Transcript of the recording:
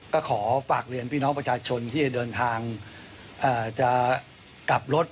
ก็ขอฝากเรียนพี่น้องประชาชนที่จะเดินทางจะกลับรถ